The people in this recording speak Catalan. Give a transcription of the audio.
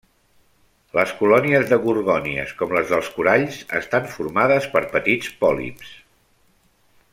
Les colònies de gorgònies, com les dels coralls, estan formades per petits pòlips.